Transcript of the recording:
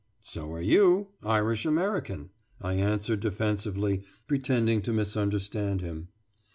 "So are you Irish American," I answered defensively, pretending to misunderstand him.